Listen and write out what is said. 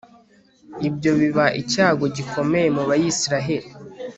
ibyo biba icyago gikomeye mu bayisraheli